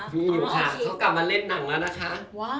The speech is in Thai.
อยู่ค่ะเขากลับมาเล่นหนังแล้วนะคะ